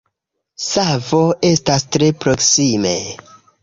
Savo estas tre proksime.